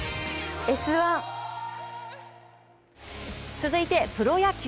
続いてプロ野球。